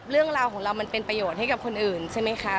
เรื่องราวของเรามันเป็นประโยชน์ให้กับคนอื่นใช่ไหมคะ